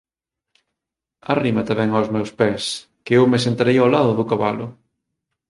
Arrímate ben ós meus pés, que eu me sentarei ó lado do cabalo